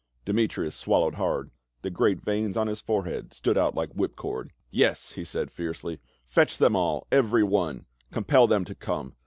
Demetrius swallowed hard, the great veins on his forehead stood out like whip cord. " Yes," he said fiercely. " Fetch them all — every one. Compel them to come.